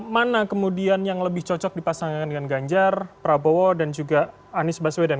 mana kemudian yang lebih cocok dipasangkan dengan ganjar prabowo dan juga anies baswedan